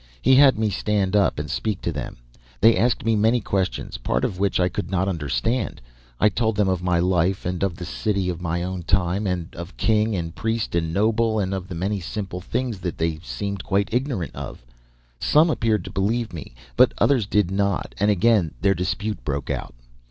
He had me stand up and speak to them. They asked me many questions, part of which I could not understand. I told them of my life, and of the city of my own time, and of king and priest and noble, and of many simple things that they seemed quite ignorant of. Some appeared to believe me but others did not, and again their dispute broke out.